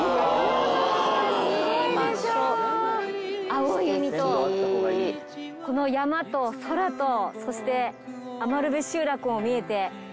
青い海とこの山と空とそして餘部集落も見えて。